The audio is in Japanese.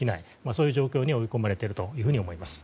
そういう状況に追い込まれていると思います。